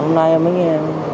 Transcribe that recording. hôm nay em mới nghe